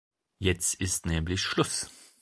Jetzt ist nämlich Schluss!